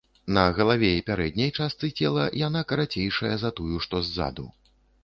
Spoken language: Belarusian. На галаве і пярэдняй частцы цела яна карацейшая за тую, што ззаду.